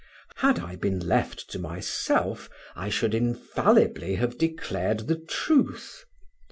Had I been left to myself, I should infallibly have declared the truth.